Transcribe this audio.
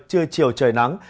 trưa chiều trời nắng